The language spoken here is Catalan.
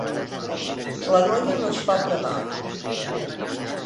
La noia no es fa pregar.